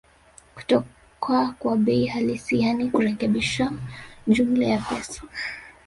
kutoka kwa bei halisi yaani kurekebisha jumla ya pesa